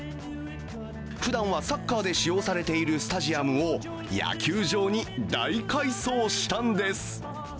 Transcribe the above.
ふだんはサッカーで使用されているスタジアムを野球場に大改装したんです。